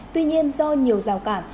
tuy nhiên do nhiều rào cản